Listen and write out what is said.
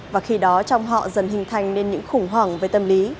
và khi đó trong họ dần hình thành nên những khủng hoảng về tâm lý